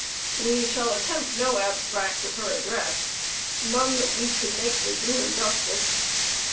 We shall attempt no abstract of her address; none that we could make would do her justice.